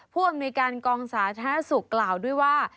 ผู้อำนวยการกองสาธารณสุขกล่าวด้วยว่า